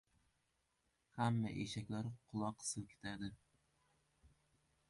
• Hamma eshaklar quloq silkitadi.